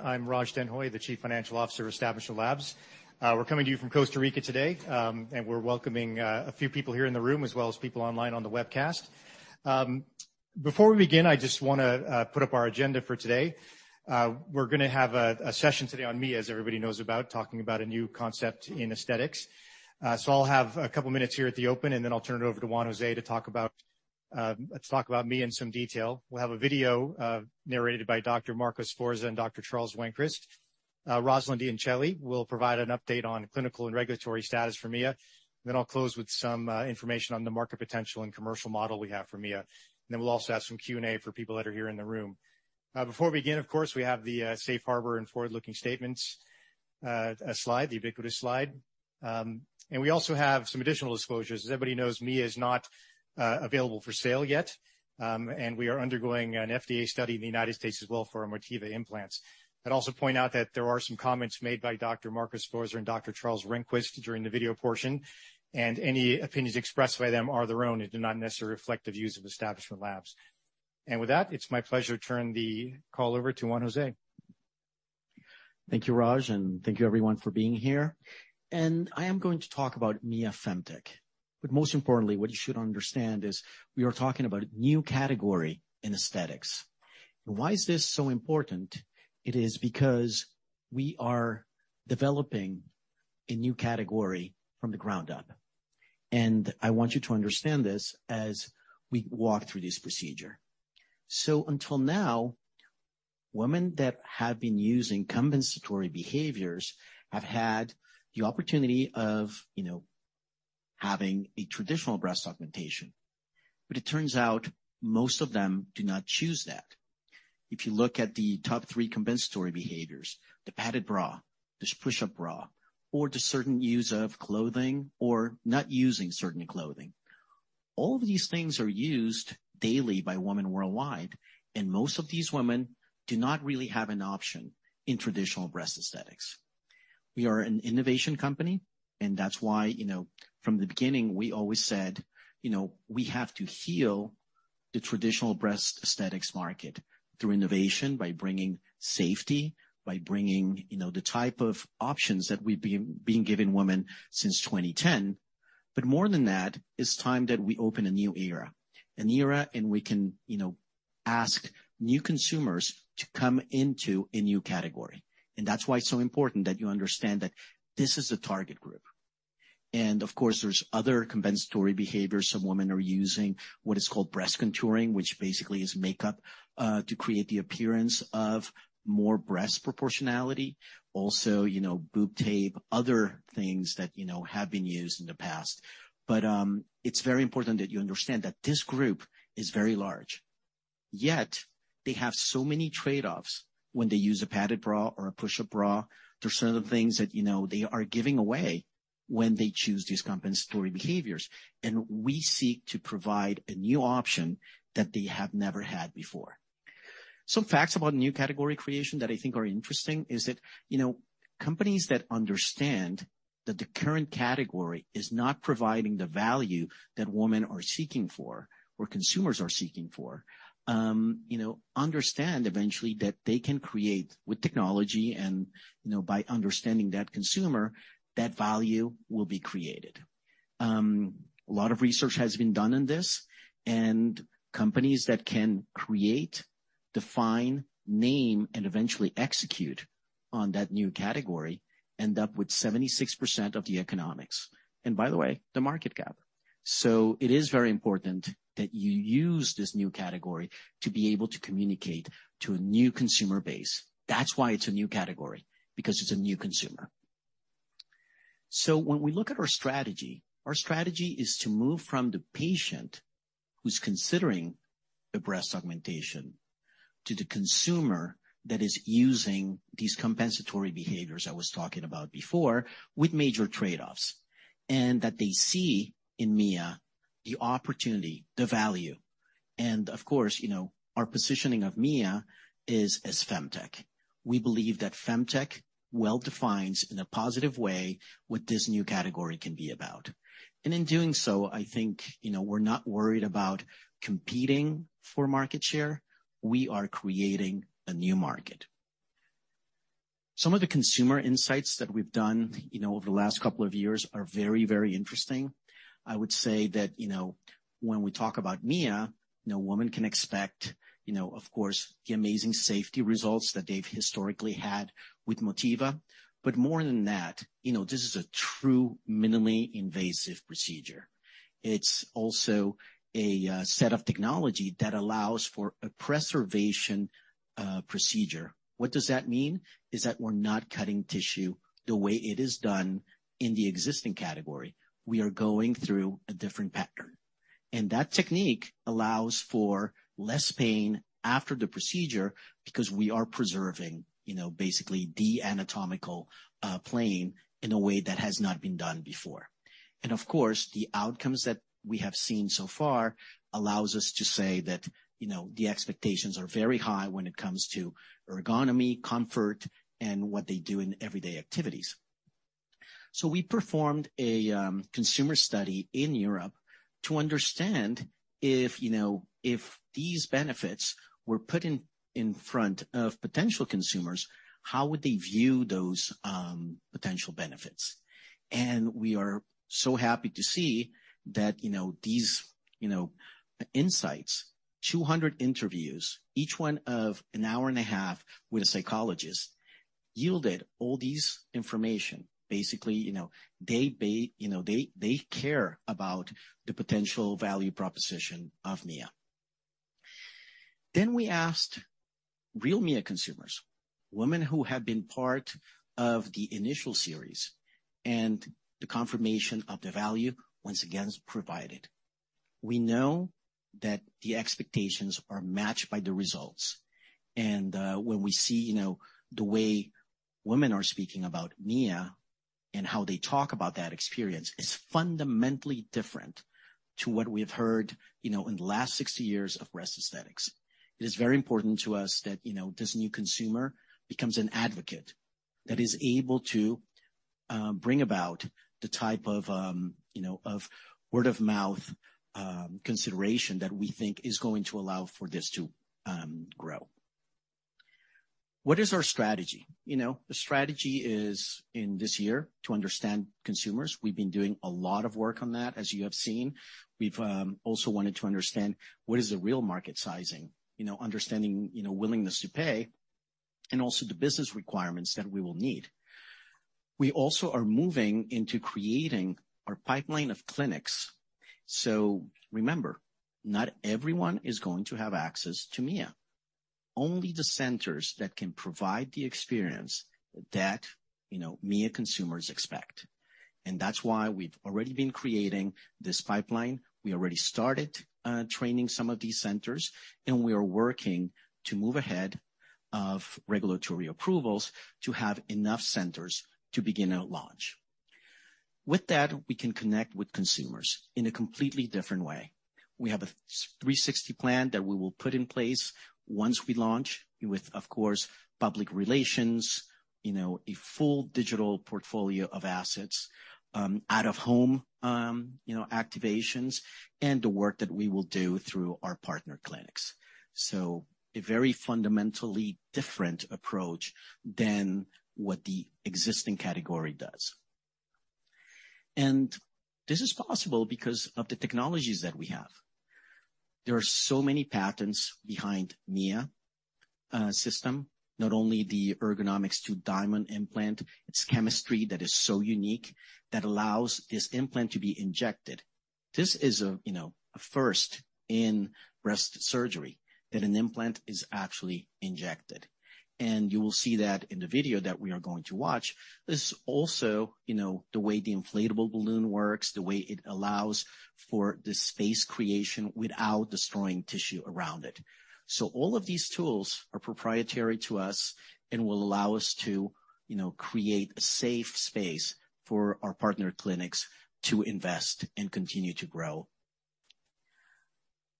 I'm Raj Denhoy, the Chief Financial Officer of Establishment Labs. We're coming to you from Costa Rica today, and we're welcoming a few people here in the room as well as people online on the webcast. Before we begin, I just wanna put up our agenda for today. We're gonna have a session today on Mia, as everybody knows about, talking about a new concept in aesthetics. I'll have a couple of minutes here at the open, and then I'll turn it over to Juan José to talk about Mia in some detail. We'll have a video narrated by Dr. Marcos Sforza and Dr. Charles Randquist. Rosalyn Cole d'Incelli will provide an update on clinical and regulatory status for Mia. I'll close with some information on the market potential and commercial model we have for Mia. We'll also have some Q&A for people that are here in the room. Before we begin, of course, we have the safe harbor and forward-looking statements slide, the ubiquitous slide. We also have some additional disclosures. As everybody knows, Mia is not available for sale yet, and we are undergoing an FDA study in the United States as well for our Motiva implants. I'd also point out that there are some comments made by Dr. Marcos Sforza and Dr. Charles Randquist during the video portion, and any opinions expressed by them are their own and do not necessarily reflect the views of Establishment Labs. With that, it's my pleasure to turn the call over to Juan José Chacón-Quirós. Thank you, Raj, and thank you, everyone, for being here. I am going to talk about Mia Femtech. Most importantly, what you should understand is we are talking about a new category in aesthetics. Why is this so important? It is because we are developing a new category from the ground up. I want you to understand this as we walk through this procedure. Until now, women that have been using compensatory behaviors have had the opportunity of, you know, having a traditional breast augmentation, but it turns out most of them do not choose that. If you look at the top three compensatory behaviors, the padded bra, this push-up bra, or the certain use of clothing or not using certain clothing, all of these things are used daily by women worldwide, and most of these women do not really have an option in traditional breast aesthetics. We are an innovation company, and that's why, you know, from the beginning, we always said, you know, we have to heal the traditional breast aesthetics market through innovation, by bringing safety, by bringing, you know, the type of options that we've been giving women since 2010. But more than that, it's time that we open a new era, an era, and we can, you know, ask new consumers to come into a new category. That's why it's so important that you understand that this is a target group. Of course, there's other compensatory behaviors. Some women are using what is called breast contouring, which basically is makeup to create the appearance of more breast proportionality. Also, you know, boob tape, other things that, you know, have been used in the past. It's very important that you understand that this group is very large. Yet they have so many trade-offs when they use a padded bra or a push-up bra. There are certain things that, you know, they are giving away when they choose these compensatory behaviors, and we seek to provide a new option that they have never had before. Some facts about new category creation that I think are interesting is that, you know, companies that understand that the current category is not providing the value that women are seeking for or consumers are seeking for, you know, understand eventually that they can create with technology and, you know, by understanding that consumer, that value will be created. A lot of research has been done on this, and companies that can create, define, name, and eventually execute on that new category end up with 76% of the economics, and by the way, the market cap. It is very important that you use this new category to be able to communicate to a new consumer base. That's why it's a new category, because it's a new consumer. When we look at our strategy, our strategy is to move from the patient who's considering a breast augmentation to the consumer that is using these compensatory behaviors I was talking about before with major trade-offs, and that they see in Mia the opportunity, the value. Of course, you know, our positioning of Mia is as Femtech. We believe that Femtech well defines in a positive way what this new category can be about. In doing so, I think, you know, we're not worried about competing for market share. We are creating a new market. Some of the consumer insights that we've done, you know, over the last couple of years are very, very interesting. I would say that, you know, when we talk about Mia, you know, women can expect, you know, of course, the amazing safety results that they've historically had with Motiva. More than that, you know, this is a true minimally invasive procedure. It's also a set of technology that allows for a preservation procedure. What does that mean? It means that we're not cutting tissue the way it is done in the existing category. We are going through a different pattern. That technique allows for less pain after the procedure because we are preserving, you know, basically the anatomical plane in a way that has not been done before. Of course, the outcomes that we have seen so far allows us to say that, you know, the expectations are very high when it comes to ergonomics, comfort, and what they do in everyday activities. We performed a consumer study in Europe to understand if, you know, if these benefits were put in front of potential consumers, how would they view those potential benefits? We are so happy to see that, you know, these, you know, insights, 200 interviews, each one of an hour and a half with a psychologist, yielded all this information. Basically, you know, they care about the potential value proposition of Mia. We asked real Mia consumers, women who had been part of the initial series, and the confirmation of the value once again is provided. We know that the expectations are matched by the results, and when we see, you know, the way women are speaking about Mia and how they talk about that experience is fundamentally different to what we've heard, you know, in the last 60 years of breast aesthetics. It is very important to us that, you know, this new consumer becomes an advocate that is able to bring about the type of, you know, of word of mouth consideration that we think is going to allow for this to grow. What is our strategy? You know, the strategy is, in this year, to understand consumers. We've been doing a lot of work on that, as you have seen. We've also wanted to understand what is the real market sizing, you know, understanding, you know, willingness to pay and also the business requirements that we will need. We also are moving into creating our pipeline of clinics. Remember, not everyone is going to have access to Mia. Only the centers that can provide the experience that, you know, Mia consumers expect. That's why we've already been creating this pipeline. We already started training some of these centers, and we are working to move ahead of regulatory approvals to have enough centers to begin our launch. With that, we can connect with consumers in a completely different way. We have a 360 plan that we will put in place once we launch with, of course, public relations, you know, a full digital portfolio of assets, out-of-home, you know, activations, and the work that we will do through our partner clinics. A very fundamentally different approach than what the existing category does. This is possible because of the technologies that we have. There are so many patents behind Mia system, not only the Ergonomix2 Diamond implant, its chemistry that is so unique that allows this implant to be injected. This is a, you know, a first in breast surgery that an implant is actually injected. You will see that in the video that we are going to watch. This is also, you know, the way the inflatable balloon works, the way it allows for the space creation without destroying tissue around it. All of these tools are proprietary to us and will allow us to, you know, create a safe space for our partner clinics to invest and continue to grow.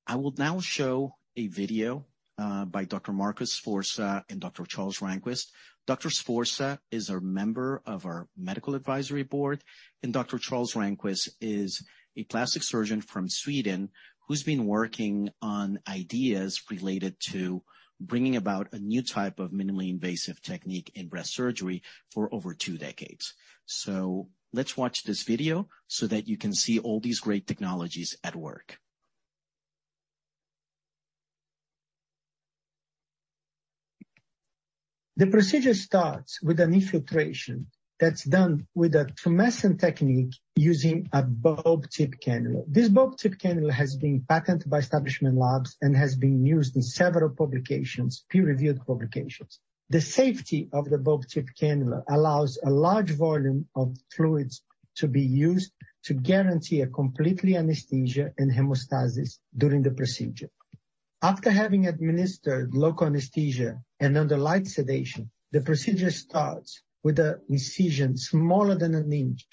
I will now show a video by Dr. Marcos Sforza and Dr. Charles Randquist. Dr. Sforza is a member of our medical advisory board, and Dr. Charles Randquist is a plastic surgeon from Sweden who's been working on ideas related to bringing about a new type of minimally invasive technique in breast surgery for over two decades. Let's watch this video so that you can see all these great technologies at work. The procedure starts with an infiltration that's done with a tumescent technique using a bulb tip cannula. This bulb tip cannula has been patented by Establishment Labs and has been used in several publications, peer-reviewed publications. The safety of the bulb tip cannula allows a large volume of fluids to be used to guarantee complete anesthesia and hemostasis during the procedure. After having administered local anesthesia and under light sedation, the procedure starts with an incision smaller than an inch,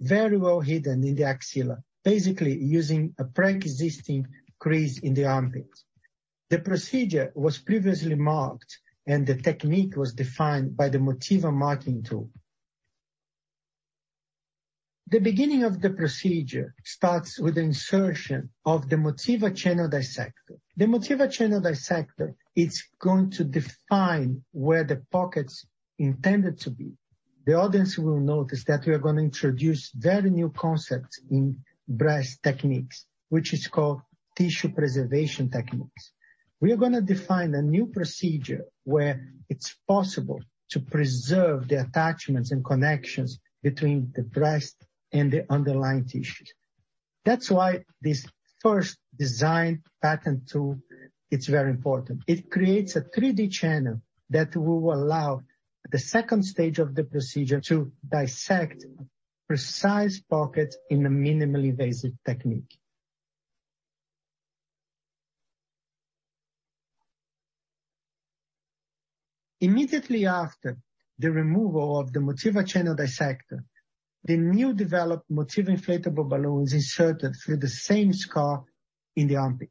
very well hidden in the axilla, basically using a preexisting crease in the armpit. The procedure was previously marked, and the technique was defined by the Motiva marking tool. The beginning of the procedure starts with insertion of the Motiva Channel Dissector. The Motiva Channel Dissector is going to define where the pocket's intended to be. The audience will notice that we are gonna introduce very new concepts in breast techniques, which is called tissue preservation techniques. We are gonna define a new procedure where it's possible to preserve the attachments and connections between the breast and the underlying tissue. That's why this first design pattern tool, it's very important. It creates a 3-D channel that will allow the second stage of the procedure to dissect precise pockets in a minimally invasive technique. Immediately after the removal of the Motiva Channel Dissector, the new developed Motiva Inflatable Balloon is inserted through the same scar in the armpit.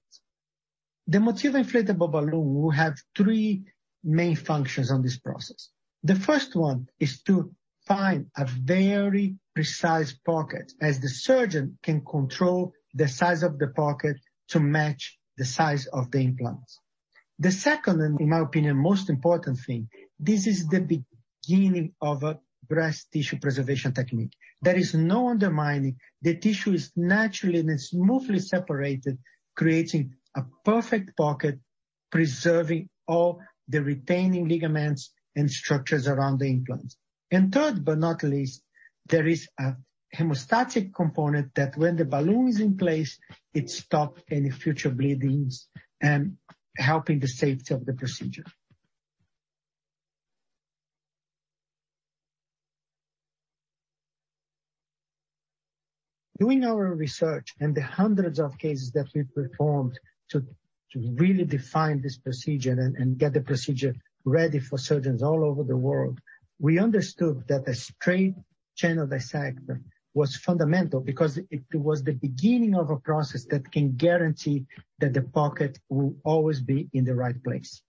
The Motiva Inflatable Balloon will have three main functions in this process. The first one is to find a very precise pocket as the surgeon can control the size of the pocket to match the size of the implants. The second, and in my opinion, most important thing, this is the beginning of a breast tissue preservation technique. There is no undermining. The tissue is naturally and smoothly separated, creating a perfect pocket, preserving all the retaining ligaments and structures around the implants. Third, but not least, there is a hemostatic component that when the balloon is in place, it stop any future bleedings and helping the safety of the procedure. Doing our research and the hundreds of cases that we performed to really define this procedure and get the procedure ready for surgeons all over the world, we understood that a straight channel dissector was fundamental because it was the beginning of a process that can guarantee that the pocket will always be in the right place.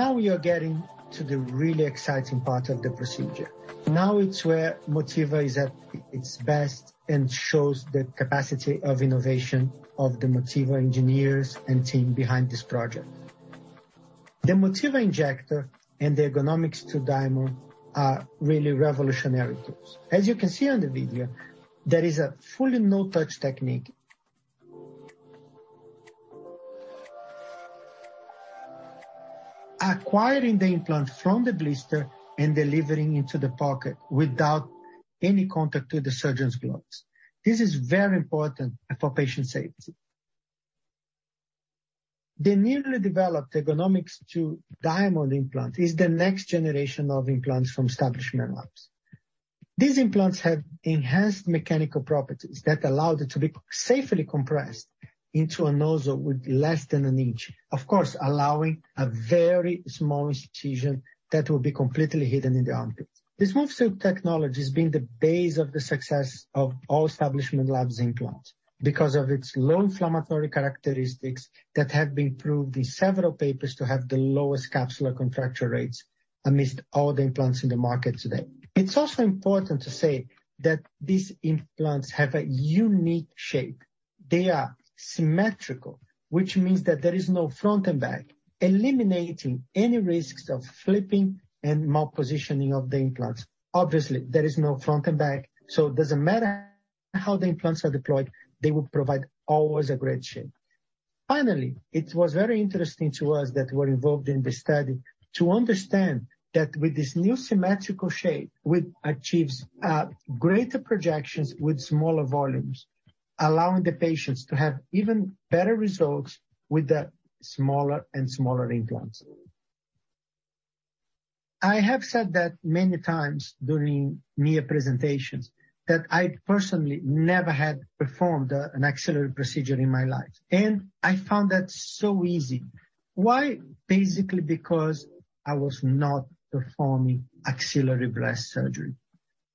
Now we are getting to the really exciting part of the procedure. Now it's where Motiva is at its best and shows the capacity of innovation of the Motiva engineers and team behind this project. The Motiva Injector and the Ergonomix2 Diamond are really revolutionary tools. As you can see on the video, there is a fully no-touch technique. Acquiring the implant from the blister and delivering into the pocket without any contact to the surgeon's gloves. This is very important for patient safety. The newly developed Ergonomix2 Diamond implant is the next generation of implants from Establishment Labs. These implants have enhanced mechanical properties that allow it to be safely compressed into a nozzle with less than an inch, of course, allowing a very small incision that will be completely hidden in the armpits. This SmoothSilk technology has been the base of the success of all Establishment Labs implants because of its low inflammatory characteristics that have been proved in several papers to have the lowest capsular contracture rates amidst all the implants in the market today. It's also important to say that these implants have a unique shape. They are symmetrical, which means that there is no front and back, eliminating any risks of flipping and malpositioning of the implants. Obviously, there is no front and back, so it doesn't matter how the implants are deployed, they will provide always a great shape. Finally, it was very interesting to us that were involved in this study to understand that with this new symmetrical shape, we achieve greater projections with smaller volumes, allowing the patients to have even better results with the smaller and smaller implants. I have said that many times during MIA presentations that I personally never had performed an axillary procedure in my life, and I found that so easy. Why? Basically because I was not performing axillary breast surgery.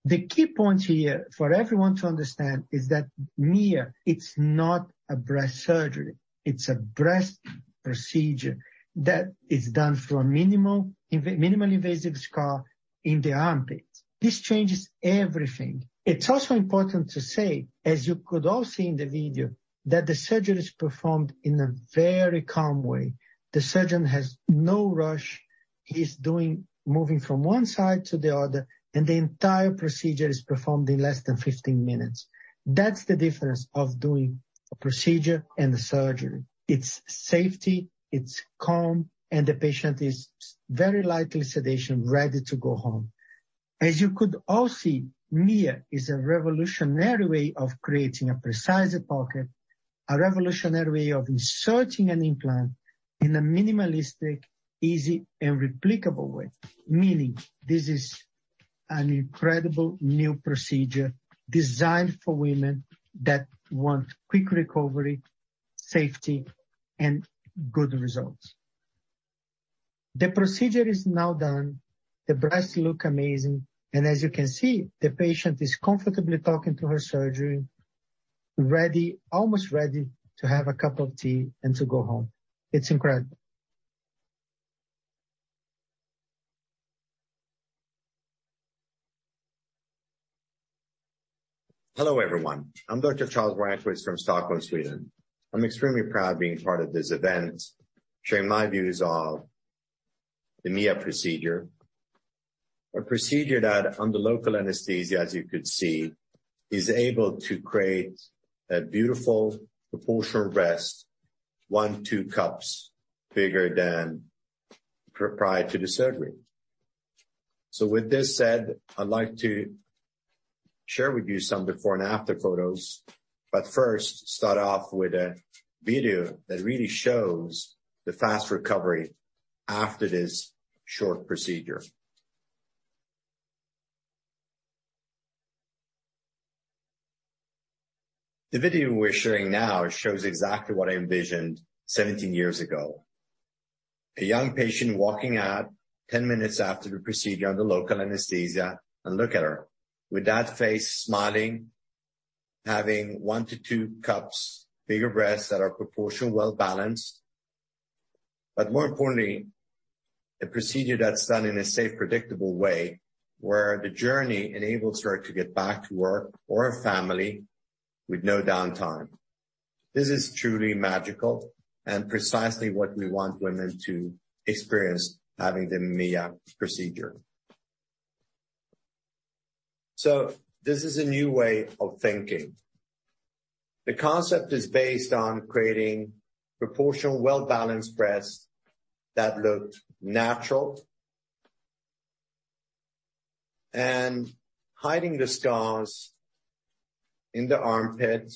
The key point here for everyone to understand is that MIA, it's not a breast surgery. It's a breast procedure that is done through a minimally invasive scar in the armpits. This changes everything. It's also important to say, as you could all see in the video, that the surgery is performed in a very calm way. The surgeon has no rush. He's moving from one side to the other, and the entire procedure is performed in less than 15 minutes. That's the difference of doing a procedure and a surgery. It's safety, it's calm, and the patient is very lightly sedated, ready to go home. As you could all see, MIA is a revolutionary way of creating a precise pocket, a revolutionary way of inserting an implant in a minimalistic, easy and replicable way. Meaning this is an incredible new procedure designed for women that want quick recovery, safety and good results. The procedure is now done. The breasts look amazing. As you can see, the patient is comfortably talking to her surgeon, ready, almost ready to have a cup of tea and to go home. It's incredible. Hello everyone. I'm Dr. Charles Randquist from Stockholm, Sweden. I'm extremely proud being part of this event, sharing my views of the Mia procedure. A procedure that, under local anesthesia, as you could see, is able to create a beautiful proportional breast, one, two cups bigger than prior to the surgery. With this said, I'd like to share with you some before and after photos. First, start off with a video that really shows the fast recovery after this short procedure. The video we're showing now shows exactly what I envisioned 17 years ago. A young patient walking out 10 minutes after the procedure under local anesthesia, and look at her. With that face smiling, having one to two cups bigger breasts that are proportional, well-balanced. More importantly, a procedure that's done in a safe, predictable way, where the journey enables her to get back to work or her family with no downtime. This is truly magical and precisely what we want women to experience having the Mia procedure. This is a new way of thinking. The concept is based on creating proportional, well-balanced breasts that look natural. Hiding the scars in the armpit,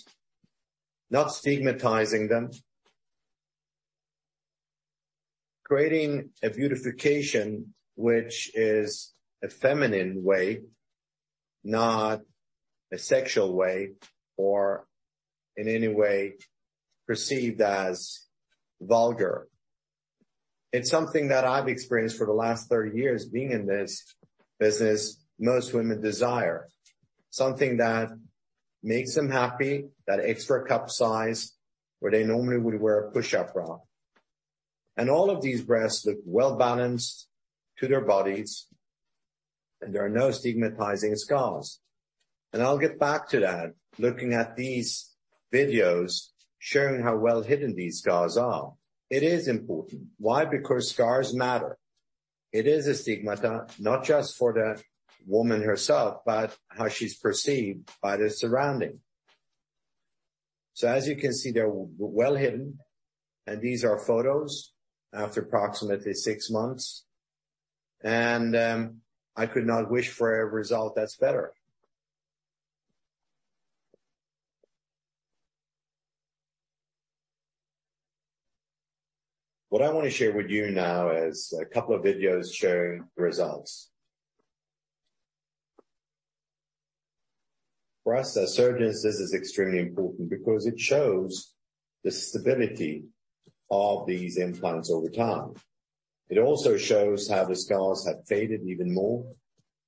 not stigmatizing them. Creating a beautification, which is a feminine way, not a sexual way, or in any way perceived as vulgar. It's something that I've experienced for the last 30 years being in this business, most women desire. Something that makes them happy, that extra cup size, where they normally would wear a push-up bra. All of these breasts look well-balanced to their bodies, and there are no stigmatizing scars. I'll get back to that, looking at these videos, showing how well-hidden these scars are. It is important. Why? Because scars matter. It is a stigmata, not just for the woman herself, but how she's perceived by the surrounding. As you can see, they're well hidden, and these are photos after approximately six months. I could not wish for a result that's better. What I wanna share with you now is a couple of videos showing the results. For us as surgeons, this is extremely important because it shows the stability of these implants over time. It also shows how the scars have faded even more,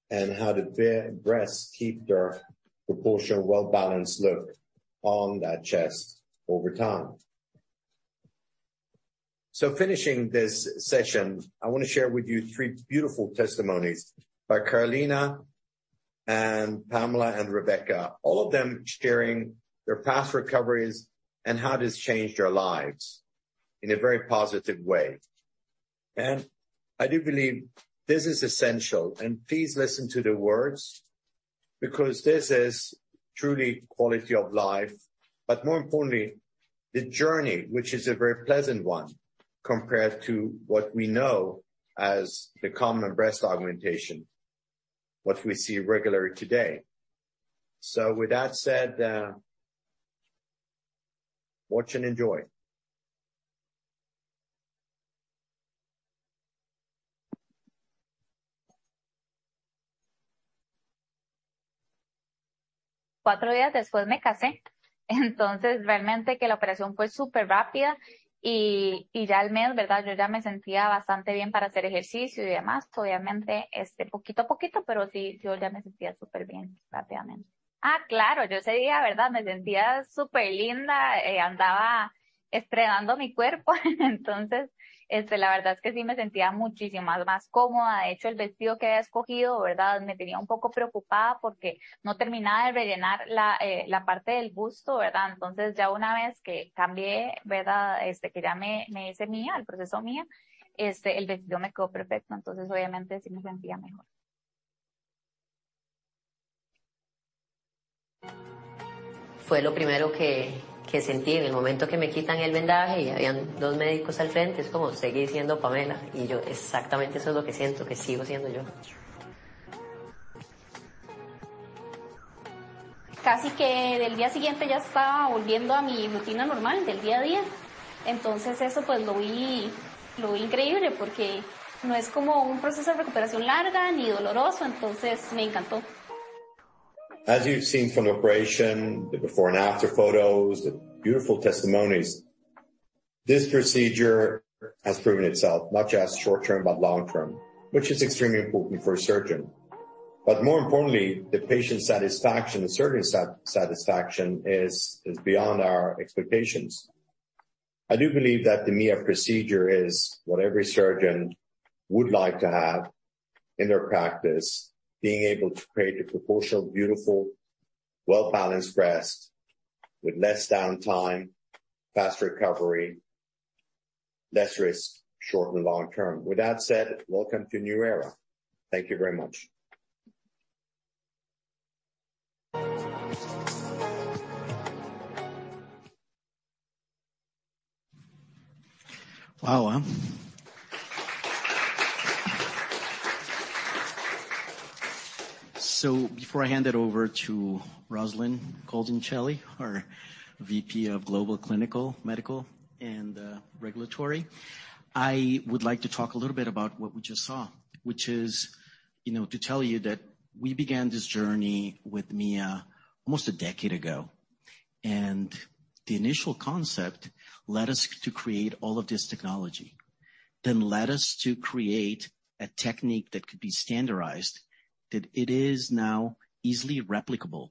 and how the breasts keep their proportional, well-balanced look on that chest over time. Finishing this session, I wanna share with you three beautiful testimonies by Carolina and Pamela, and Rebecca. All of them sharing their past recoveries and how it has changed their lives in a very positive way. I do believe this is essential, and please listen to the words, because this is truly quality of life, but more importantly, the journey, which is a very pleasant one, compared to what we know as the common breast augmentation, what we see regularly today. With that said, watch and enjoy. As you've seen from the operation, the before and after photos, the beautiful testimonies, this procedure has proven itself, not just short-term, but long-term, which is extremely important for a surgeon. More importantly, the patient satisfaction, the surgeon satisfaction is beyond our expectations. I do believe that the Mia procedure is what every surgeon would like to have in their practice. Being able to create a proportional, beautiful, well-balanced breast with less downtime, fast recovery, less risk short and long term. With that said, welcome to New Era. Thank you very much. Wow, huh? Before I hand it over to Rosalyn Cole d'Incelli, our VP of Global Clinical, Medical, and Regulatory, I would like to talk a little bit about what we just saw, which is, you know, to tell you that we began this journey with Mia almost a decade ago. The initial concept led us to create all of this technology, then led us to create a technique that could be standardized, that it is now easily replicable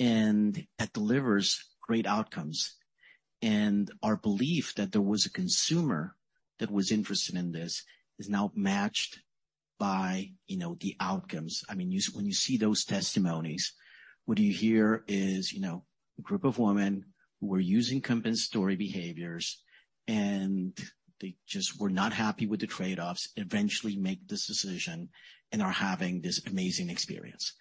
and that delivers great outcomes. Our belief that there was a consumer that was interested in this is now matched by, you know, the outcomes. I mean, you when you see those testimonies, what you hear is, you know, a group of women who were using compensatory behaviors and they just were not happy with the trade-offs, eventually make this decision and are having this amazing experience.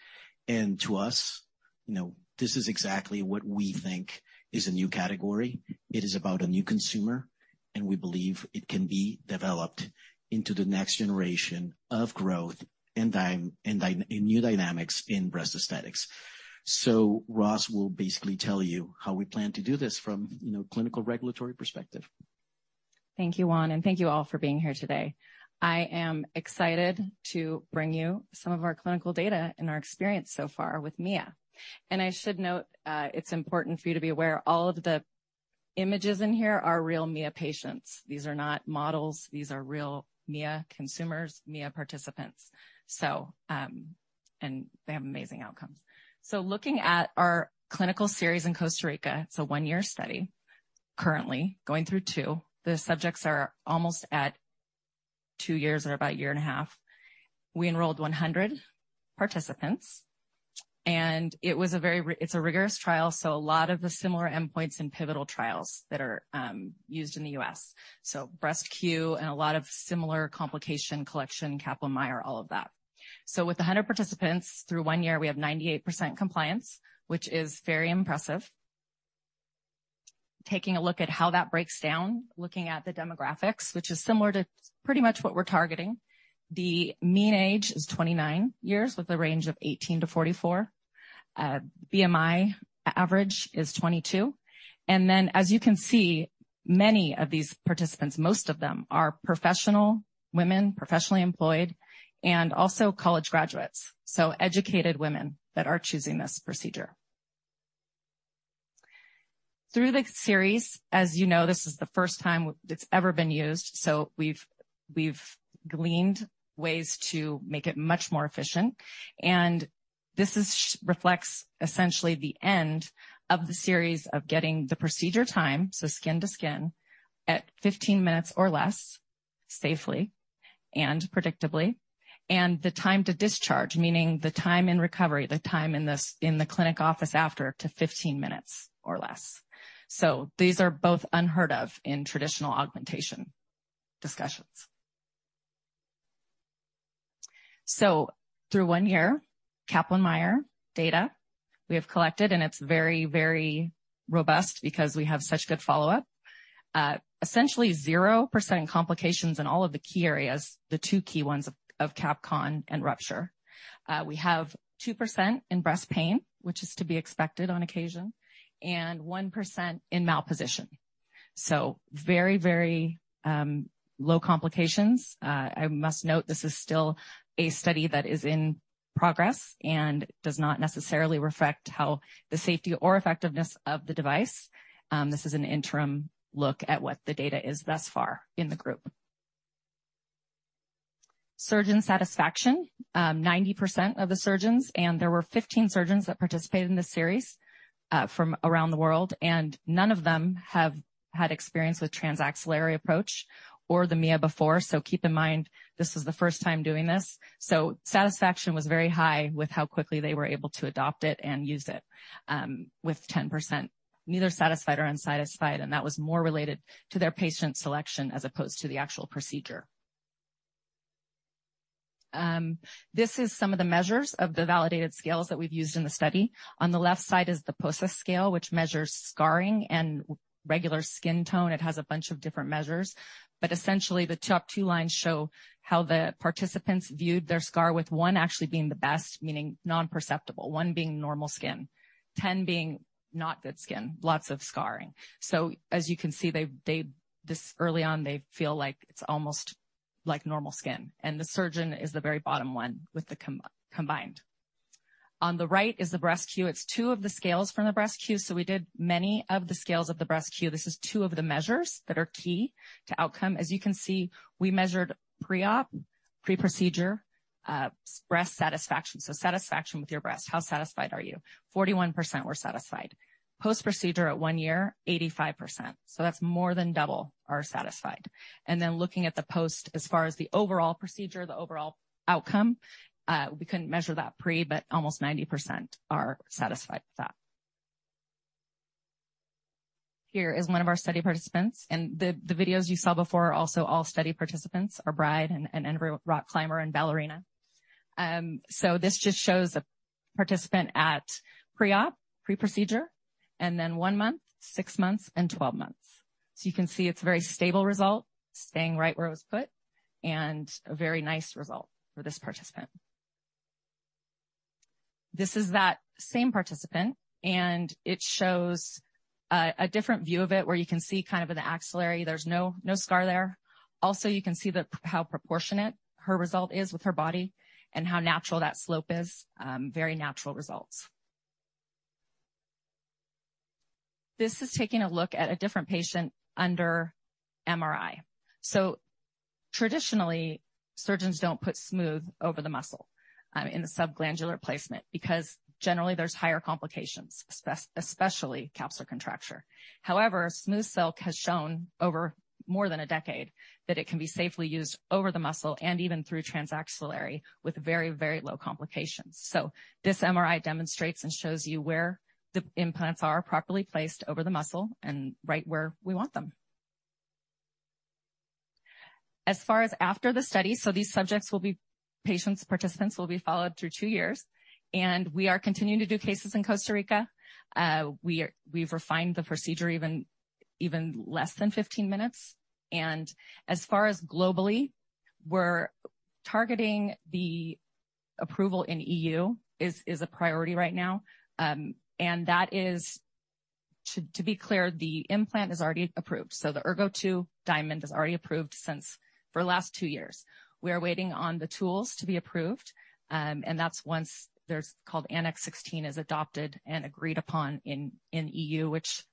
To us, you know, this is exactly what we think is a new category. It is about a new consumer, and we believe it can be developed into the next generation of growth and new dynamics in breast aesthetics. Ros will basically tell you how we plan to do this from, you know, clinical regulatory perspective. Thank you, Juan, and thank you all for being here today. I am excited to bring you some of our clinical data and our experience so far with Mia. I should note, it's important for you to be aware all of the images in here are real Mia patients. These are not models. These are real Mia consumers, Mia participants. They have amazing outcomes. Looking at our clinical series in Costa Rica, it's a 1-year study currently going through 2. The subjects are almost at 2 years or about 1.5 years. We enrolled 100 participants, and it's a rigorous trial, so a lot of the similar endpoints and pivotal trials that are used in the US. BREAST-Q and a lot of similar complication collection, Kaplan-Meier, all of that. With 100 participants through one year, we have 98% compliance, which is very impressive. Taking a look at how that breaks down, looking at the demographics, which is similar to pretty much what we're targeting. The mean age is 29 years with a range of 18-44. BMI average is 22. As you can see, many of these participants, most of them are professional women, professionally employed and also college graduates, so educated women that are choosing this procedure. Through the series, as you know, this is the first time it's ever been used. We've gleaned ways to make it much more efficient. This reflects essentially the end of the series of getting the procedure time, so skin to skin, at 15 minutes or less safely and predictably. The time to discharge, meaning the time in recovery, the time in the clinic office after to 15 minutes or less. These are both unheard of in traditional augmentation discussions. Through 1 year, Kaplan-Meier data we have collected, and it's very, very robust because we have such good follow-up. Essentially 0% complications in all of the key areas, the two key ones of capsular contracture and rupture. We have 2% in breast pain, which is to be expected on occasion, and 1% in malposition. Very, very low complications. I must note this is still a study that is in progress and does not necessarily reflect how the safety or effectiveness of the device. This is an interim look at what the data is thus far in the group. Surgeon satisfaction, 90% of the surgeons, and there were 15 surgeons that participated in this series, from around the world, and none of them have had experience with transaxillary approach or the Mia before. Keep in mind this is the first time doing this. Satisfaction was very high with how quickly they were able to adopt it and use it, with 10% neither satisfied or unsatisfied. That was more related to their patient selection as opposed to the actual procedure. This is some of the measures of the validated scales that we've used in the study. On the left side is the POSAS scale, which measures scarring and regular skin tone. It has a bunch of different measures, but essentially the top two lines show how the participants viewed their scar, with 1 actually being the best, meaning non-perceptible, 1 being normal skin, 10 being not good skin, lots of scarring. As you can see, this early on, they feel like it's almost like normal skin. The surgeon is the very bottom one with the combined. On the right is the BREAST-Q. It's two of the scales from the BREAST-Q. We did many of the scales of the BREAST-Q. This is two of the measures that are key to outcome. As you can see, we measured pre-op, pre-procedure, breast satisfaction. Satisfaction with your breast, how satisfied are you? 41% were satisfied. Post-procedure at 1 year, 85%. That's more than double are satisfied. Looking at the post-op, as far as the overall procedure, the overall outcome, we couldn't measure that pre-op, but almost 90% are satisfied with that. Here is one of our study participants, and the videos you saw before are also all study participants, our bride and rock climber and ballerina. This just shows a participant at pre-op, pre-procedure, and then 1 month, 6 months, and 12 months. You can see it's a very stable result, staying right where it was put, and a very nice result for this participant. This is that same participant, and it shows a different view of it, where you can see kind of in the axillary, there's no scar there. Also, you can see how proportionate her result is with her body and how natural that slope is. Very natural results. This is taking a look at a different patient under MRI. Traditionally, surgeons don't put SmoothSilk over the muscle in the subglandular placement because generally there's higher complications, especially capsular contracture. However, SmoothSilk has shown over more than a decade that it can be safely used over the muscle and even through transaxillary with very, very low complications. This MRI demonstrates and shows you where the implants are properly placed over the muscle and right where we want them. As far as after the study, patients, participants will be followed through 2 years, and we are continuing to do cases in Costa Rica. We've refined the procedure even less than 15 minutes. As far as globally, we're targeting the approval in EU is a priority right now. To be clear, the implant is already approved. The Ergonomix2 Diamond is already approved for the last 2 years. We are waiting on the tools to be approved, and that's once Annex XVI is adopted and agreed upon in EU, which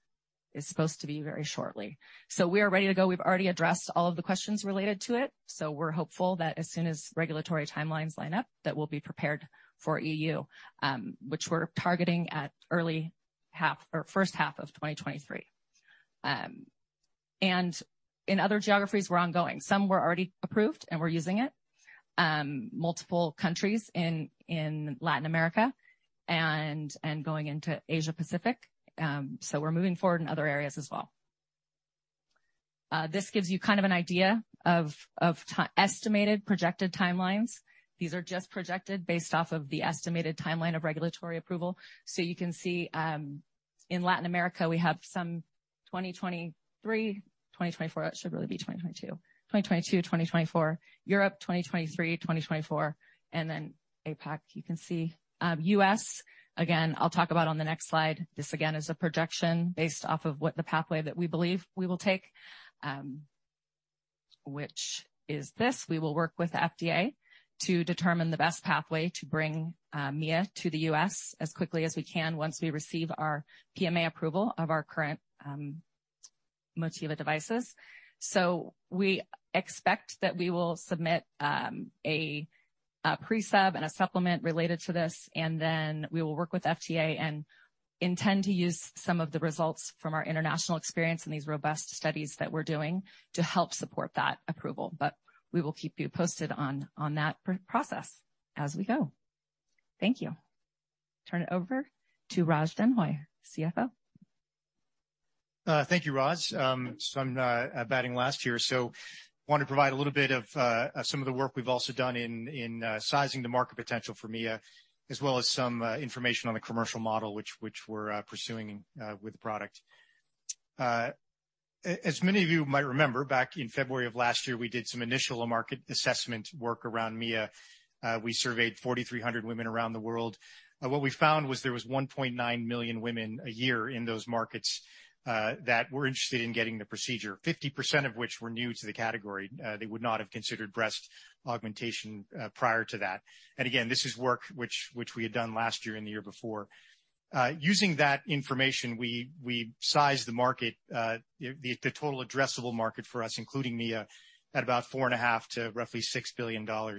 is supposed to be very shortly. We are ready to go. We've already addressed all of the questions related to it. We're hopeful that as soon as regulatory timelines line up, that we'll be prepared for EU, which we're targeting at early half or first half of 2023. In other geographies, we're ongoing. Some were already approved and we're using it, multiple countries in Latin America and going into Asia-Pacific. We're moving forward in other areas as well. This gives you kind of an idea of estimated projected timelines. These are just projected based off of the estimated timeline of regulatory approval. You can see in Latin America, we have some 2023-2024. It should really be 2022-2024. Europe, 2023-2024. APAC, you can see. U.S., again, I'll talk about on the next slide. This, again, is a projection based off of what the pathway that we believe we will take, which is this. We will work with the FDA to determine the best pathway to bring Mia to the U.S. as quickly as we can once we receive our PMA approval of our current Motiva devices. We expect that we will submit a pre-sub and a supplement related to this, and then we will work with FDA and intend to use some of the results from our international experience in these robust studies that we're doing to help support that approval. We will keep you posted on that process as we go. Thank you. Turn it over to Raj Denhoy, CFO. Thank you, Roz. I'm batting last here. I wanna provide a little bit of some of the work we've also done in sizing the market potential for Mia, as well as some information on the commercial model, which we're pursuing with the product. As many of you might remember, back in February of last year, we did some initial market assessment work around Mia. We surveyed 4,300 women around the world. What we found was there was 1.9 million women a year in those markets that were interested in getting the procedure, 50% of which were new to the category. They would not have considered breast augmentation prior to that. Again, this is work which we had done last year and the year before. Using that information, we sized the market, the total addressable market for us, including Mia, at about $4.5 billion-$6 billion.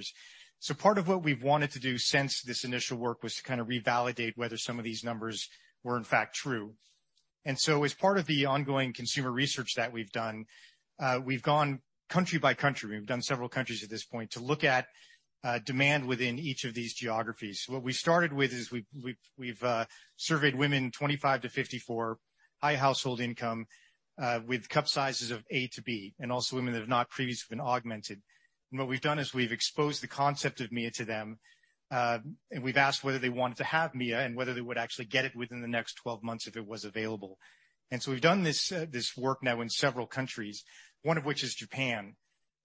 Part of what we've wanted to do since this initial work was to kind of revalidate whether some of these numbers were in fact true. As part of the ongoing consumer research that we've done, we've gone country by country, we've done several countries at this point, to look at demand within each of these geographies. What we started with is we've surveyed women 25-54, high household income, with cup sizes of A to B, and also women that have not previously been augmented. What we've done is we've exposed the concept of Mia to them, and we've asked whether they wanted to have Mia and whether they would actually get it within the next 12 months if it was available. We've done this work now in several countries, one of which is Japan.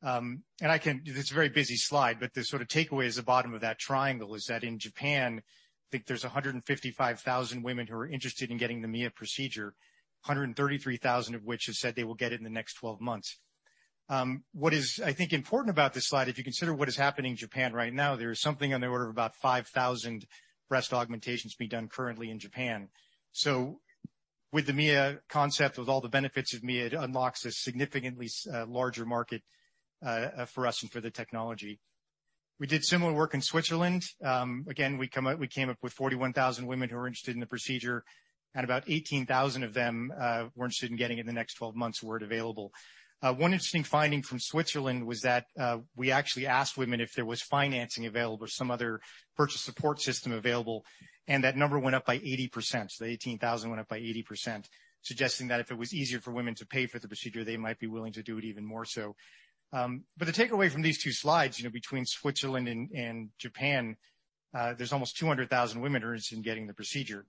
It's a very busy slide, but the sort of takeaway is the bottom of that triangle is that in Japan, I think there's 155,000 women who are interested in getting the Mia procedure, 133,000 of which have said they will get it in the next 12 months. What is, I think, important about this slide, if you consider what is happening in Japan right now, there is something on the order of about 5,000 breast augmentations being done currently in Japan. With the Mia concept, with all the benefits of Mia, it unlocks a significantly larger market for us and for the technology. We did similar work in Switzerland. Again, we came up with 41,000 women who are interested in the procedure, and about 18,000 of them were interested in getting it in the next 12 months were it available. One interesting finding from Switzerland was that we actually asked women if there was financing available, some other purchase support system available, and that number went up by 80%. The 18,000 went up by 80%, suggesting that if it was easier for women to pay for the procedure, they might be willing to do it even more so. But the takeaway from these two slides, you know, between Switzerland and Japan, there's almost 200,000 women are interested in getting the procedure.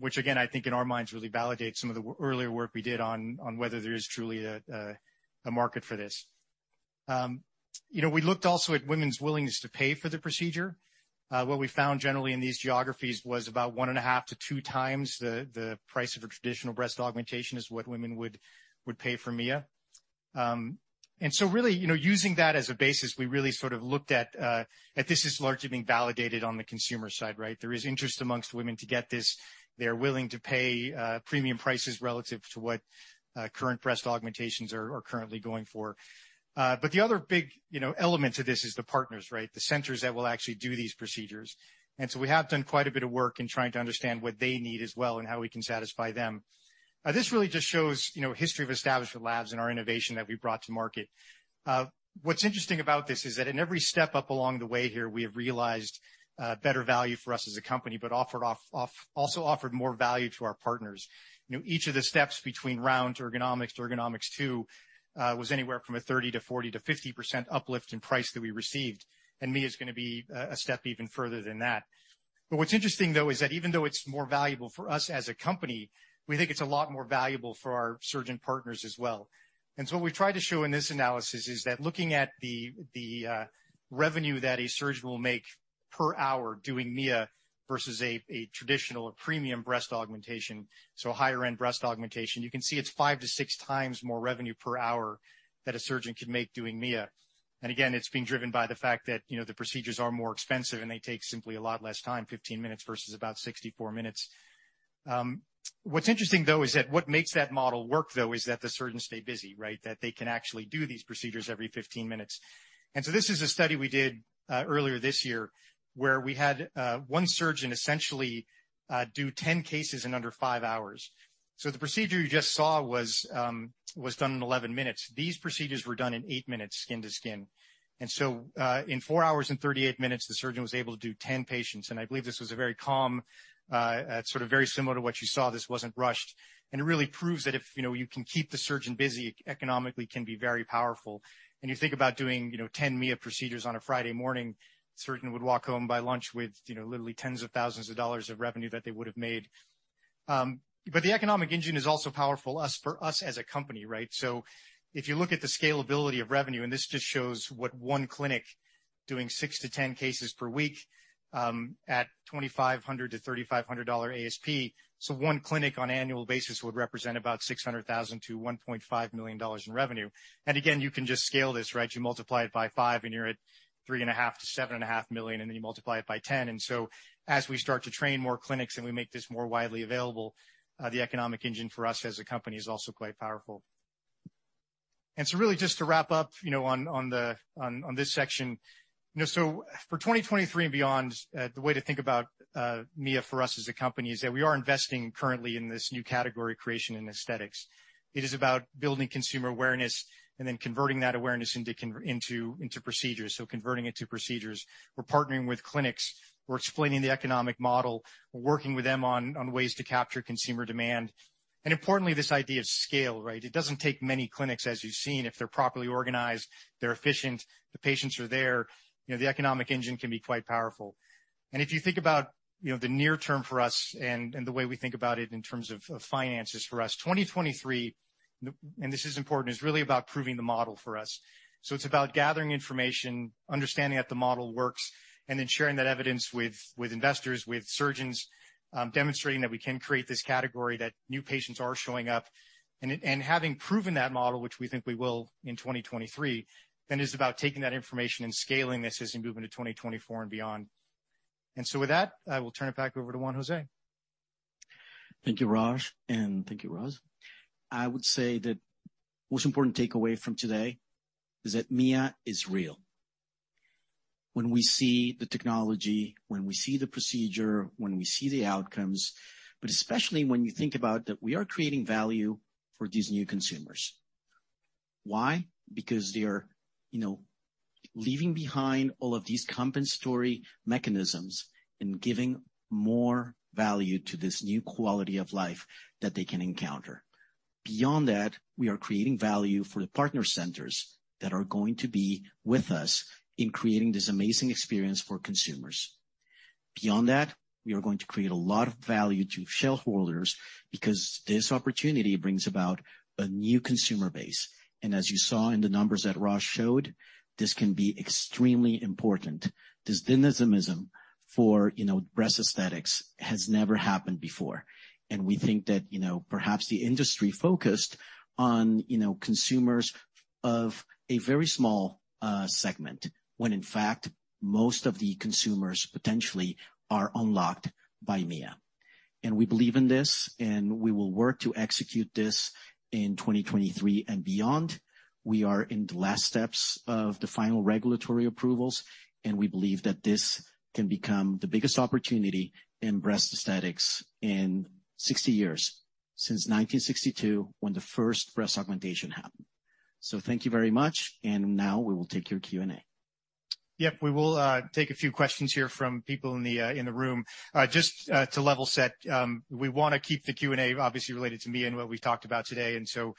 Which again, I think in our minds really validates some of the earlier work we did on whether there is truly a market for this. You know, we looked also at women's willingness to pay for the procedure. What we found generally in these geographies was about 1.5-2 times the price of a traditional breast augmentation is what women would pay for Mia. Really, you know, using that as a basis, we really sort of looked at this is largely being validated on the consumer side, right? There is interest among women to get this. They're willing to pay premium prices relative to what current breast augmentations are currently going for. But the other big, you know, element to this is the partners, right? The centers that will actually do these procedures. We have done quite a bit of work in trying to understand what they need as well and how we can satisfy them. This really just shows, you know, history of Establishment Labs and our innovation that we brought to market. What's interesting about this is that in every step up along the way here, we have realized better value for us as a company, but also offered more value to our partners. You know, each of the steps between Round to Ergonomix to Ergonomix2 was anywhere from a 30% to 40% to 50% uplift in price that we received. Mia is gonna be a step even further than that. What's interesting though is that even though it's more valuable for us as a company, we think it's a lot more valuable for our surgeon partners as well. What we tried to show in this analysis is that looking at the revenue that a surgeon will make per hour doing Mia versus a traditional or premium breast augmentation, so a higher end breast augmentation, you can see it's 5-6 times more revenue per hour that a surgeon can make doing Mia. Again, it's being driven by the fact that, you know, the procedures are more expensive, and they take simply a lot less time, 15 minutes versus about 64 minutes. What's interesting though is that what makes that model work though is that the surgeons stay busy, right? That they can actually do these procedures every 15 minutes. This is a study we did earlier this year where we had one surgeon essentially do 10 cases in under 5 hours. The procedure you just saw was done in 11 minutes. These procedures were done in 8 minutes skin to skin. In 4 hours and 38 minutes, the surgeon was able to do 10 patients. I believe this was a very calm, sort of very similar to what you saw. This wasn't rushed. It really proves that if you can keep the surgeon busy, economically can be very powerful. You think about doing 10 Mia procedures on a Friday morning, surgeon would walk home by lunch with literally tens of thousands of dollars of revenue that they would have made. The economic engine is also powerful for us as a company, right? If you look at the scalability of revenue, and this just shows what one clinic doing 6-10 cases per week at $2,500-$3,500 ASP. One clinic on annual basis would represent about $600,000-$1.5 million in revenue. Again, you can just scale this, right? You multiply it by five and you're at $3.5 million-$7.5 million, and then you multiply it by ten. As we start to train more clinics and we make this more widely available, the economic engine for us as a company is also quite powerful. Really just to wrap up, you know, on this section. You know, for 2023 and beyond, the way to think about Mia for us as a company is that we are investing currently in this new category creation and aesthetics. It is about building consumer awareness and then converting that awareness into procedures. Converting it to procedures. We're partnering with clinics. We're explaining the economic model. We're working with them on ways to capture consumer demand. Importantly, this idea of scale, right? It doesn't take many clinics, as you've seen, if they're properly organized, they're efficient, the patients are there, you know, the economic engine can be quite powerful. If you think about, you know, the near term for us and the way we think about it in terms of finances for us, 2023. This is important, is really about proving the model for us. It's about gathering information, understanding that the model works, and then sharing that evidence with investors, with surgeons, demonstrating that we can create this category, that new patients are showing up. Having proven that model, which we think we will in 2023, it's about taking that information and scaling this as you move into 2024 and beyond. With that, I will turn it back over to Juan José. Thank you, Raj, and thank you, Roz. I would say that most important takeaway from today is that Mia is real. When we see the technology, when we see the procedure, when we see the outcomes, but especially when you think about that we are creating value for these new consumers. Why? Because they are, you know, leaving behind all of these compensatory mechanisms and giving more value to this new quality of life that they can encounter. Beyond that, we are creating value for the partner centers that are going to be with us in creating this amazing experience for consumers. Beyond that, we are going to create a lot of value to shareholders because this opportunity brings about a new consumer base. As you saw in the numbers that Raj showed, this can be extremely important. This dynamism for, you know, breast aesthetics has never happened before. We think that, you know, perhaps the industry focused on, you know, consumers of a very small segment, when in fact, most of the consumers potentially are unlocked by Mia. We believe in this, and we will work to execute this in 2023 and beyond. We are in the last steps of the final regulatory approvals, and we believe that this can become the biggest opportunity in breast aesthetics in 60 years, since 1962, when the first breast augmentation happened. Thank you very much. Now we will take your Q&A. Yep. We will take a few questions here from people in the room. Just to level set, we wanna keep the Q&A obviously related to Mia and what we've talked about today, and so,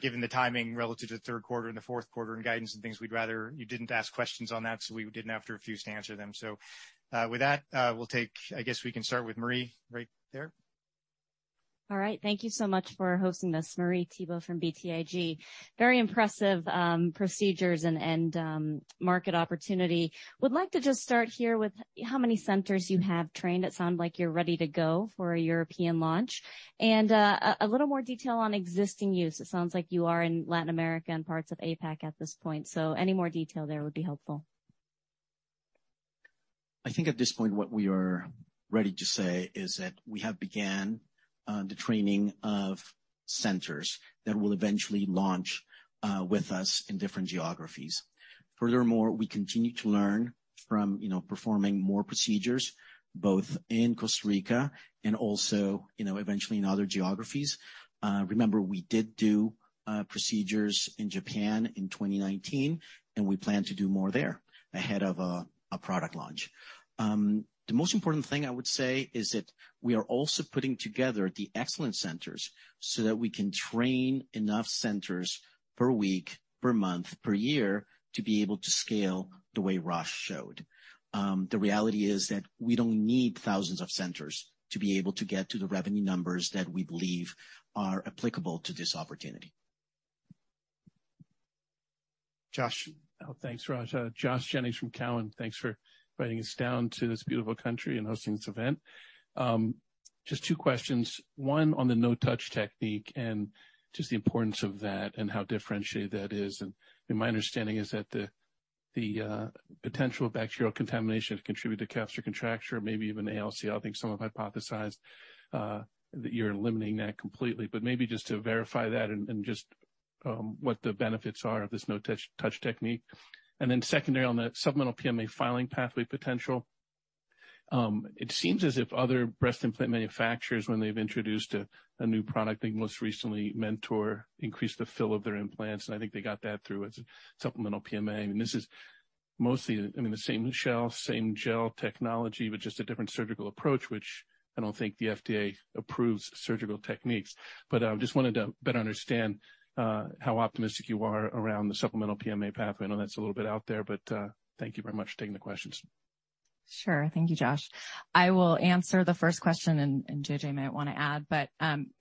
given the timing relative to third quarter and the fourth quarter and guidance and things, we'd rather you didn't ask questions on that, so we didn't have to refuse to answer them. With that, we'll take. I guess we can start with Marie right there. All right. Thank you so much for hosting this. Marie Thibault from BTIG. Very impressive procedures and market opportunity. Would like to just start here with how many centers you have trained. It sound like you're ready to go for a European launch. A little more detail on existing use. It sounds like you are in Latin America and parts of APAC at this point, so any more detail there would be helpful. I think at this point, what we are ready to say is that we have began the training of centers that will eventually launch with us in different geographies. Furthermore, we continue to learn from, you know, performing more procedures both in Costa Rica and also, you know, eventually in other geographies. Remember, we did do procedures in Japan in 2019, and we plan to do more there ahead of a product launch. The most important thing I would say is that we are also putting together the existing centers so that we can train enough centers per week, per month, per year, to be able to scale the way Raj Denhoy showed. The reality is that we don't need thousands of centers to be able to get to the revenue numbers that we believe are applicable to this opportunity. Josh. Oh, thanks, Raj. Josh Jennings from Cowen. Thanks for inviting us down to this beautiful country and hosting this event. Just two questions. One on the no-touch technique and just the importance of that and how differentiated that is. My understanding is that the potential bacterial contamination contribute to capsular contracture, maybe even ALCL. I think some have hypothesized that you're eliminating that completely. But maybe just to verify that and just what the benefits are of this no-touch technique. Then secondly, on the supplemental PMA filing pathway potential, it seems as if other breast implant manufacturers when they've introduced a new product, I think most recently Mentor increased the fill of their implants, and I think they got that through as a supplemental PMA. This is mostly, I mean, the same shell, same gel technology, but just a different surgical approach, which I don't think the FDA approves surgical techniques. Just wanted to better understand how optimistic you are around the supplemental PMA pathway. I know that's a little bit out there, but thank you very much for taking the questions. Sure. Thank you, Josh. I will answer the first question and JJ might wanna add, but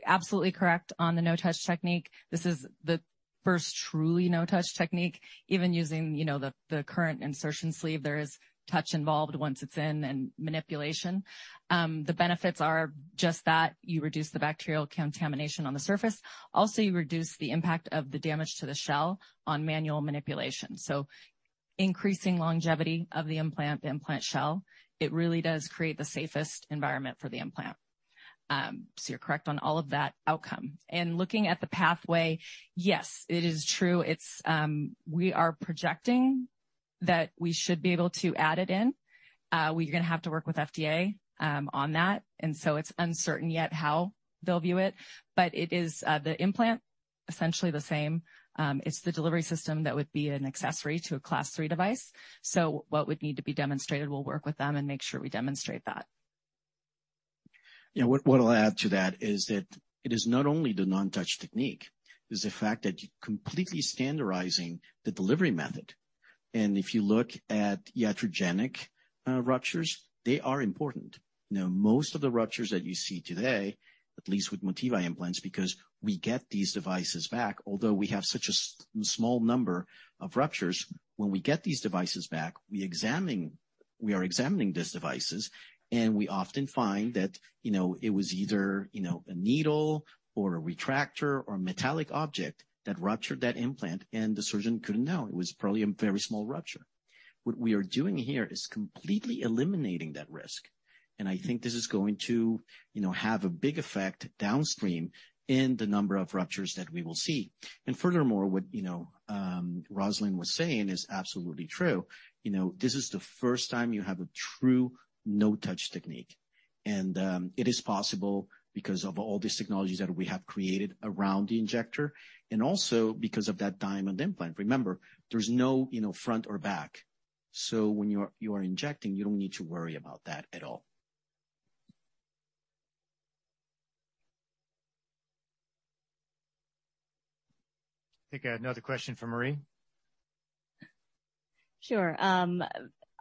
absolutely correct on the no-touch technique. This is the first truly no-touch technique. Even using, you know, the current insertion sleeve, there is touch involved once it's in and manipulation. The benefits are just that you reduce the bacterial contamination on the surface. Also, you reduce the impact of the damage to the shell on manual manipulation. Increasing longevity of the implant, the implant shell, it really does create the safest environment for the implant. So you're correct on all of that outcome. Looking at the pathway, yes, it is true. It's we are projecting that we should be able to add it in. We're gonna have to work with FDA on that, and so it's uncertain yet how they'll view it. It is the implant, essentially the same. It's the delivery system that would be an accessory to a Class III device. What would need to be demonstrated, we'll work with them and make sure we demonstrate that. Yeah. What I'll add to that is that it is not only the no-touch technique. It's the fact that you're completely standardizing the delivery method. If you look at iatrogenic ruptures, they are important. You know, most of the ruptures that you see today, at least with Motiva implants, because we get these devices back, although we have such a small number of ruptures. When we get these devices back, we are examining these devices, and we often find that, you know, it was either, you know, a needle or a retractor or a metallic object that ruptured that implant and the surgeon couldn't know. It was probably a very small rupture. What we are doing here is completely eliminating that risk, and I think this is going to, you know, have a big effect downstream in the number of ruptures that we will see. Furthermore, what, you know, Rosalyn was saying is absolutely true. You know, this is the first time you have a true no-touch technique. It is possible because of all these technologies that we have created around the injector and also because of that diamond implant. Remember, there's no, you know, front or back. So when you're, you are injecting, you don't need to worry about that at all. I think I had another question from Marie. Sure.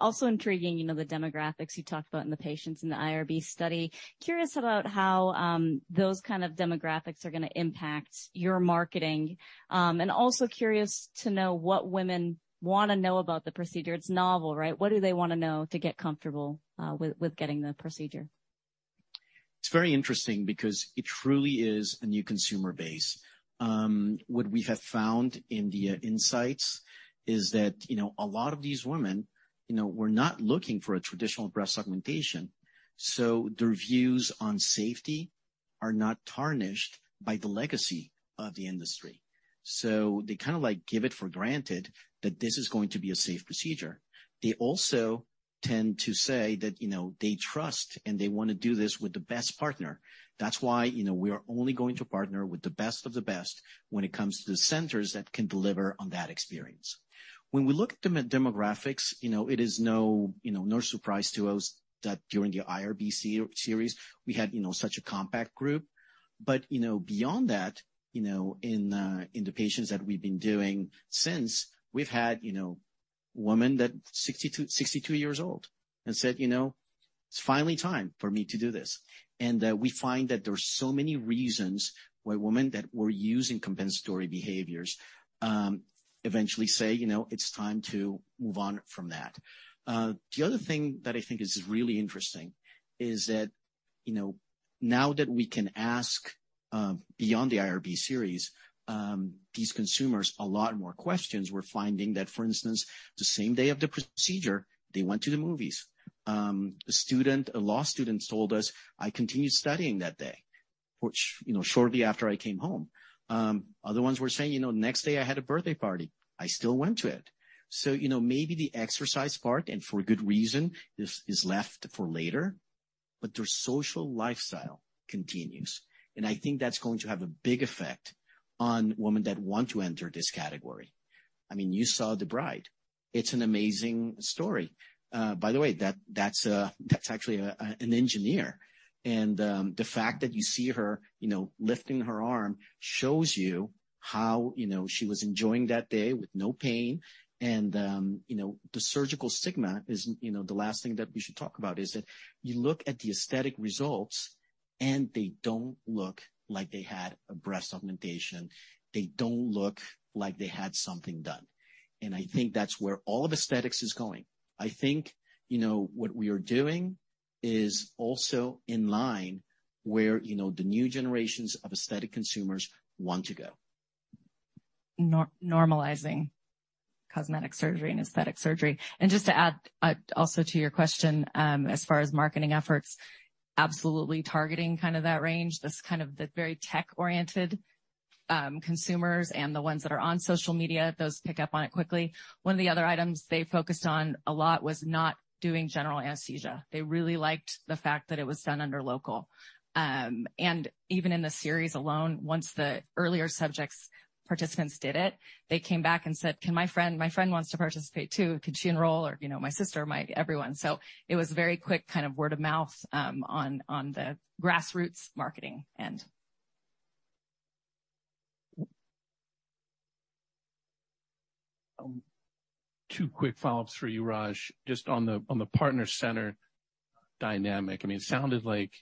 Also intriguing, you know, the demographics you talked about in the patients in the IRB study. Curious about how those kind of demographics are gonna impact your marketing. Also curious to know what women wanna know about the procedure. It's novel, right? What do they wanna know to get comfortable with getting the procedure? It's very interesting because it truly is a new consumer base. What we have found in the insights is that, you know, a lot of these women, you know, were not looking for a traditional breast augmentation, so their views on safety are not tarnished by the legacy of the industry. They kinda like take it for granted that this is going to be a safe procedure. They also tend to say that, you know, they trust and they wanna do this with the best partner. That's why, you know, we are only going to partner with the best of the best when it comes to the centers that can deliver on that experience. When we look at demographics, you know, it is no surprise to us that during the IRB series, we had, you know, such a compact group. You know, beyond that, you know, in the patients that we've been doing since, we've had, you know, women that 62 years old and said, "You know, it's finally time for me to do this." We find that there's so many reasons why women that were using compensatory behaviors, eventually say, you know, it's time to move on from that. The other thing that I think is really interesting is that, you know, now that we can ask, beyond the IRB series, these consumers a lot more questions, we're finding that, for instance, the same day of the procedure, they went to the movies. A student, a law student told us, "I continued studying that day, which, you know, shortly after I came home." Other ones were saying, "You know, next day I had a birthday party. I still went to it. You know, maybe the exercise part, and for good reason, is left for later, but their social lifestyle continues. I think that's going to have a big effect on women that want to enter this category. I mean, you saw the bride. It's an amazing story. By the way, that's actually an engineer. The fact that you see her, you know, lifting her arm shows you how, you know, she was enjoying that day with no pain. The surgical stigma is the last thing that we should talk about is that you look at the aesthetic results, and they don't look like they had a breast augmentation. They don't look like they had something done. I think that's where all of aesthetics is going. I think, you know, what we are doing is also in line with, you know, the new generations of aesthetic consumers want to go. Normalizing cosmetic surgery and aesthetic surgery. Just to add, also to your question, as far as marketing efforts, absolutely targeting kind of that range, this kind of the very tech-oriented consumers and the ones that are on social media, those pick up on it quickly. One of the other items they focused on a lot was not doing general anesthesia. They really liked the fact that it was done under local. Even in the series alone, once the earlier subjects, participants did it, they came back and said, "My friend wants to participate too. Could she enroll? Or, you know, my sister, my everyone." It was very quick kind of word of mouth on the grassroots marketing end. Two quick follow-ups for you, Raj. Just on the partner center dynamic. I mean, it sounded like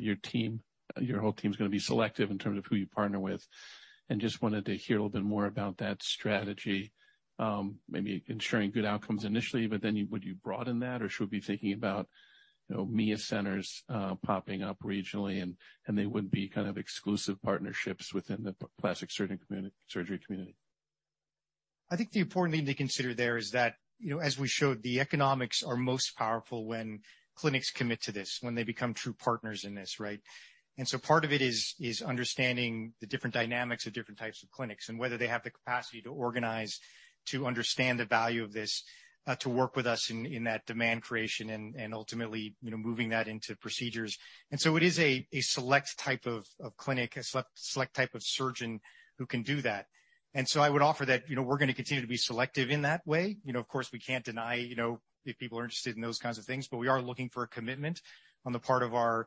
your team, your whole team's gonna be selective in terms of who you partner with. Just wanted to hear a little bit more about that strategy, maybe ensuring good outcomes initially, but then would you broaden that, or should we be thinking about, you know, Mia centers popping up regionally and they would be kind of exclusive partnerships within the plastic surgery community? I think the important thing to consider there is that, you know, as we showed, the economics are most powerful when clinics commit to this, when they become true partners in this, right? Part of it is understanding the different dynamics of different types of clinics and whether they have the capacity to organize to understand the value of this, to work with us in that demand creation and ultimately, you know, moving that into procedures. It is a select type of clinic, a select type of surgeon who can do that. I would offer that, you know, we're gonna continue to be selective in that way. You know, of course, we can't deny, you know, if people are interested in those kinds of things, but we are looking for a commitment on the part of our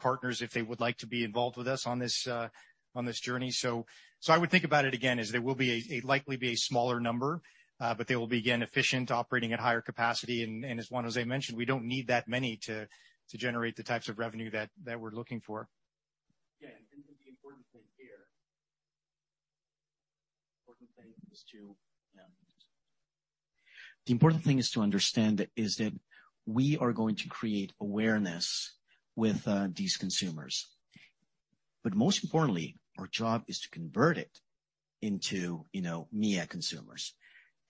partners if they would like to be involved with us on this journey. So I would think about it again, there will likely be a smaller number, but they will be again efficient, operating at higher capacity. As Juan José mentioned, we don't need that many to generate the types of revenue that we're looking for. Yeah. The important thing here is to understand that we are going to create awareness with these consumers. Most importantly, our job is to convert it into, you know, Mia consumers,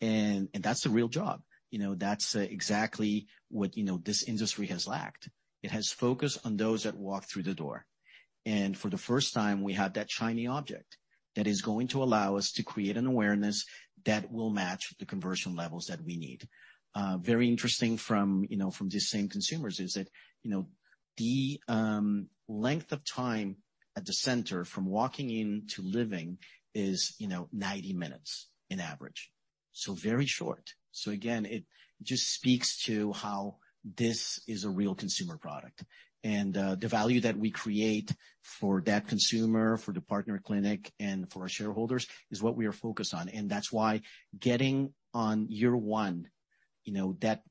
and that's the real job. You know, that's exactly what, you know, this industry has lacked. It has focused on those that walk through the door. For the first time, we have that shiny object that is going to allow us to create an awareness that will match the conversion levels that we need. Very interesting from these same consumers is that, you know, the length of time at the center from walking in to leaving is, you know, 90 minutes on average. So very short. Again, it just speaks to how this is a real consumer product. The value that we create for that consumer, for the partner clinic, and for our shareholders is what we are focused on. That's why getting on year one, you know, that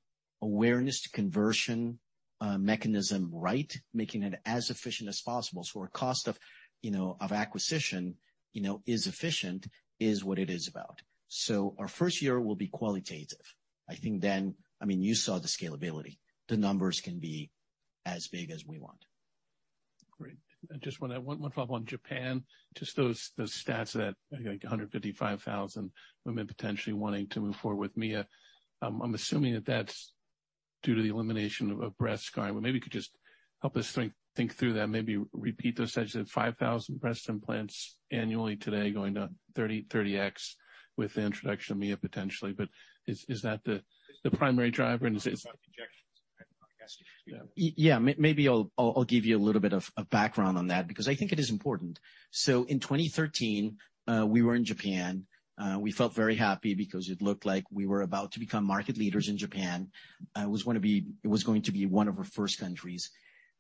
awareness to conversion mechanism right, making it as efficient as possible, so our cost of, you know, of acquisition, you know, is efficient, is what it is about. Our first year will be qualitative. I think then, I mean, you saw the scalability. The numbers can be as big as we want. Great. I just wonder, one follow-up on Japan, just those stats that, like, 155,000 women potentially wanting to move forward with Mia. I'm assuming that that's due to the elimination of breast scarring. But maybe you could just help us think through that, maybe repeat those stats. Is it 5,000 breast implants annually today going to 30x with the introduction of Mia, potentially, but is that the primary driver and is- It's about injections, hyaluronic acid. Yeah. Maybe I'll give you a little bit of background on that because I think it is important. In 2013, we were in Japan. We felt very happy because it looked like we were about to become market leaders in Japan. It was going to be one of our first countries.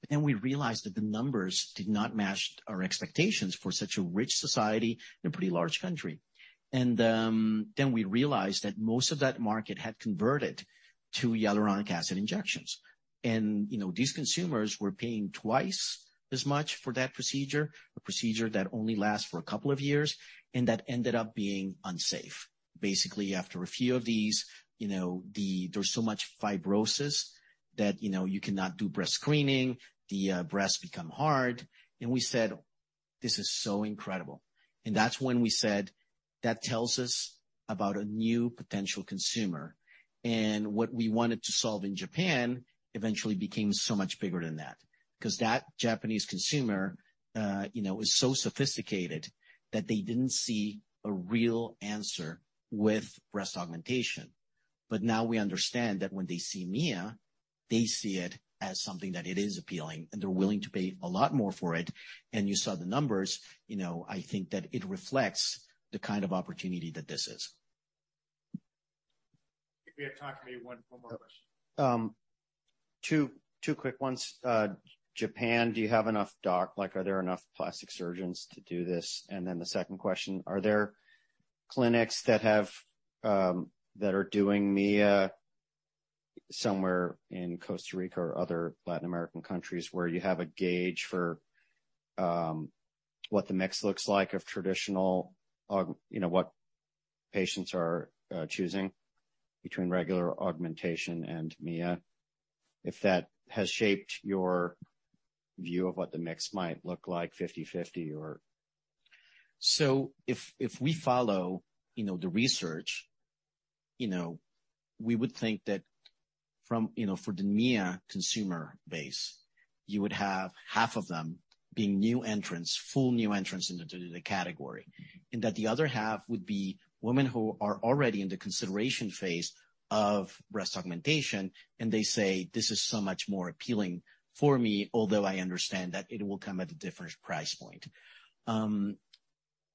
We realized that the numbers did not match our expectations for such a rich society and a pretty large country. We realized that most of that market had converted to hyaluronic acid injections. You know, these consumers were paying twice as much for that procedure, a procedure that only lasts for a couple of years, and that ended up being unsafe. Basically, after a few of these, you know, there's so much fibrosis that, you know, you cannot do breast screening. The breasts become hard. We said, "This is so incredible." That's when we said, "That tells us about a new potential consumer." What we wanted to solve in Japan eventually became so much bigger than that, 'cause that Japanese consumer, you know, is so sophisticated that they didn't see a real answer with breast augmentation. Now we understand that when they see Mia, they see it as something that it is appealing, and they're willing to pay a lot more for it. You saw the numbers. You know, I think that it reflects the kind of opportunity that this is. If we have time, maybe one more question. Two quick ones. Japan, do you have enough? Like, are there enough plastic surgeons to do this? The second question, are there clinics that have that are doing Mia somewhere in Costa Rica or other Latin American countries where you have a gauge for what the mix looks like of traditional. You know, what patients are choosing between regular augmentation and Mia, if that has shaped your view of what the mix might look like, 50/50 or? If we follow, you know, the research, you know, we would think that for the Mia consumer base, you would have half of them being new entrants, full new entrants into the category. That the other half would be women who are already in the consideration phase of breast augmentation, and they say, "This is so much more appealing for me, although I understand that it will come at a different price point."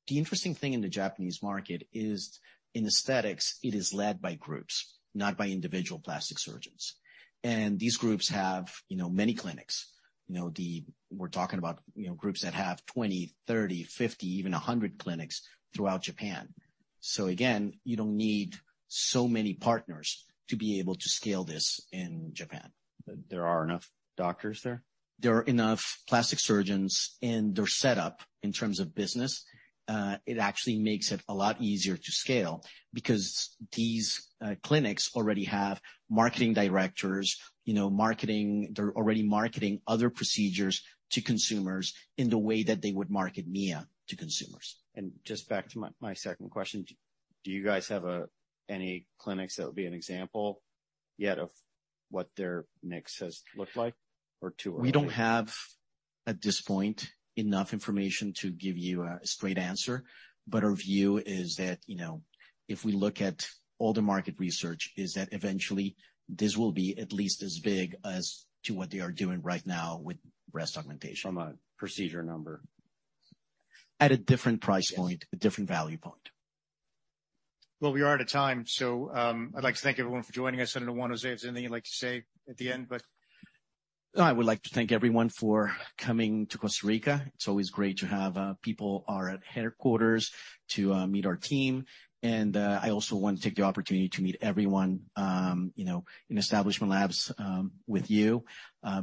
The interesting thing in the Japanese market is in aesthetics, it is led by groups, not by individual plastic surgeons. These groups have, you know, many clinics. You know, we're talking about, you know, groups that have 20, 30, 50, even 100 clinics throughout Japan. You don't need so many partners to be able to scale this in Japan. There are enough doctors there? There are enough plastic surgeons, and their setup in terms of business, it actually makes it a lot easier to scale because these clinics already have marketing directors, you know. They're already marketing other procedures to consumers in the way that they would market Mia to consumers. Just back to my second question. Do you guys have any clinics that would be an example yet of what their mix has looked like or too early? We don't have, at this point, enough information to give you a straight answer, but our view is that, you know, if we look at all the market research, is that eventually this will be at least as big as to what they are doing right now with breast augmentation. From a procedure number. At a different price point. Yes. A different value point. Well, we are out of time, so, I'd like to thank everyone for joining us. I don't know, Juan José, is there anything you'd like to say at the end? I would like to thank everyone for coming to Costa Rica. It's always great to have people at headquarters to meet our team. I also want to take the opportunity to meet everyone, you know, in Establishment Labs with you,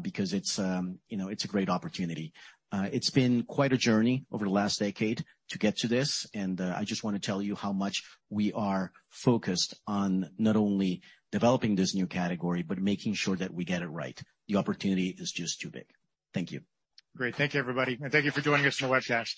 because it's, you know, it's a great opportunity. It's been quite a journey over the last decade to get to this, and I just wanna tell you how much we are focused on not only developing this new category but making sure that we get it right. The opportunity is just too big. Thank you. Great. Thank you, everybody, and thank you for joining us on the webcast.